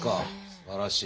すばらしい。